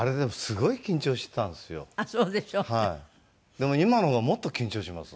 でも今の方がもっと緊張します。